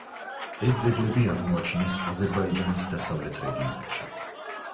ეს ძეგლები აღმოაჩინეს აზერბაიჯანის დასავლეთ რეგიონებში.